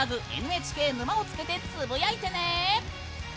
「＃ＮＨＫ沼」を付けてつぶやいてね。